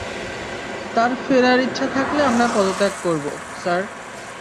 তার ফেরার ইচ্ছা থাকলে আমরা পদত্যাগ করবো, স্যার।